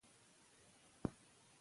تعلیم حق دی.